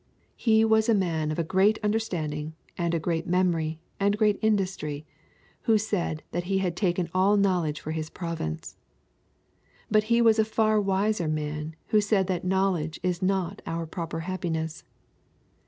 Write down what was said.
He was a man of a great understanding and a great memory and great industry who said that he had taken all knowledge for his province. But he was a far wiser man who said that knowledge is not our proper happiness.